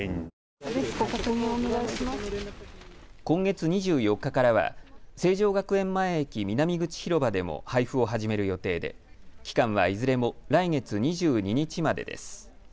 今月２４日からは成城学園前駅南口広場でも配布を始める予定で期間はいずれも来月２２日までです。